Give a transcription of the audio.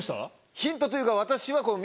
ヒントというか私は。